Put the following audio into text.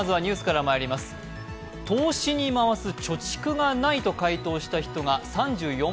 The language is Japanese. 投資に回す貯蓄がないと回答した人が３４％。